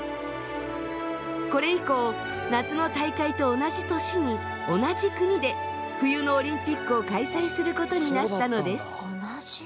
これ以降夏の大会と同じ年に同じ国で冬のオリンピックを開催することになったのです。